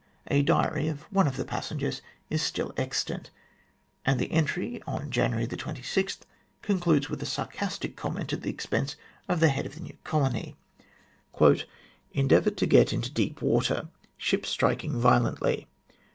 A diary of one of the passengers is still extant, and the entry on January 26 concludes with a sarcastic comment at the expense of the head of the new colony : "Endeavoured to get into deep water. Ship striking violently.